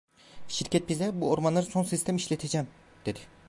Şirket bize, bu ormanları son sistem işleteceğim, dedi.